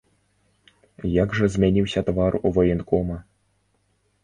Як жа змяніўся твар у ваенкома!